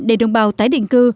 để đồng bào tái định cư